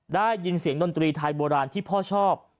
ได้ยินเสียงดนตรีไทยโบราณที่พ่อชอบ